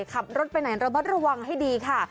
ขับรถไปไหนระวังให้ดีค่ะ